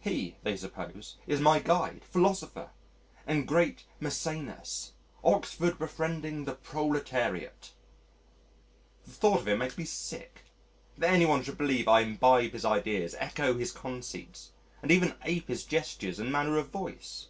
He, they suppose, is my guide, philosopher, and Great Maecenas Oxford befriending the proletariat. The thought of it makes me sick that any one should believe I imbibe his ideas, echo his conceits, and even ape his gestures and manner of voice.